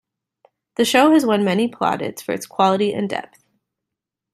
The show has won many plaudits for its quality and depth.